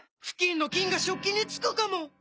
フキンの菌が食器につくかも⁉